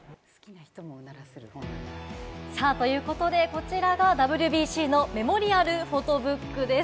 こちらがＷＢＣのメモリアルフォトブックです。